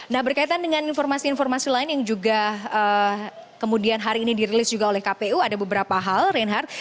nah berkaitan dengan informasi informasi lain yang juga kemudian hari ini dirilis juga oleh kpu ada beberapa hal reinhardt